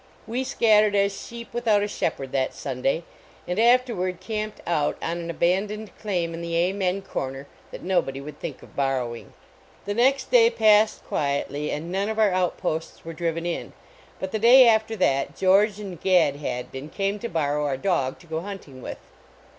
We scattered as sheep without a shepherd that Sunday, and after ward camped out on an abandoned claim in the Amen corner that nobody would think of borrowing. The next day passed quietly and none of our outposts were driven in, but the day after that George and Gad Hadbin came to borrow our dog to go hunting with.